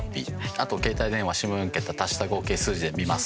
あと携帯電話下４桁足した合計数字で見ます。